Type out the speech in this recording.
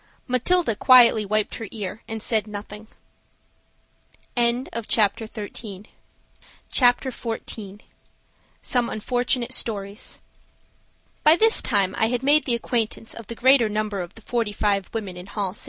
Matilda quietly wiped her ear and said nothing. CHAPTER XIV. SOME UNFORTUNATE STORIES. BY this time I had made the acquaintance of the greater number of the forty five women in hall 6.